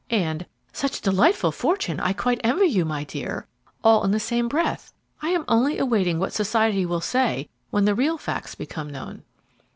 and 'Such delightful fortune! I quite envy you, my dear!' all in the same breath. I am only awaiting what society will say when the real facts become known."